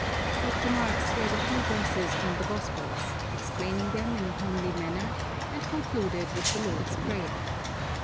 Dr. Marx read a few verses from the Gospels, explaining them in a homely manner, and concluded with the Lord's Prayer.